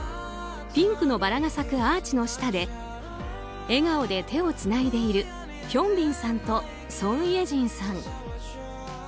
ピンクのバラが咲くアーチの下で笑顔で手をつないでいるヒョンビンさんとソン・イェジンさん。